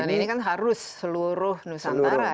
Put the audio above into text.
ini kan harus seluruh nusantara